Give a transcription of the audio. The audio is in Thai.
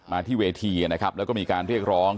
ที่เวทีนะครับแล้วก็มีการเรียกร้อง